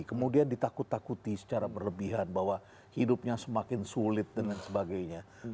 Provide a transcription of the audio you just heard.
kemudian ditakut takuti secara berlebihan bahwa hidupnya semakin sulit dan sebagainya